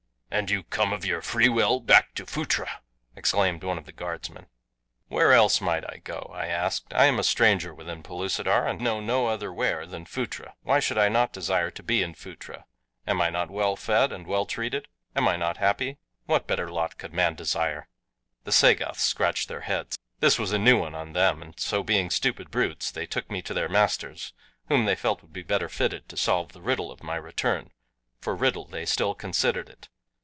"And you come of your free will back to Phutra!" exclaimed one of the guardsmen. "Where else might I go?" I asked. "I am a stranger within Pellucidar and know no other where than Phutra. Why should I not desire to be in Phutra? Am I not well fed and well treated? Am I not happy? What better lot could man desire?" The Sagoths scratched their heads. This was a new one on them, and so being stupid brutes they took me to their masters whom they felt would be better fitted to solve the riddle of my return, for riddle they still considered it.